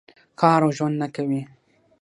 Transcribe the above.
کار او ژوند نه کوي.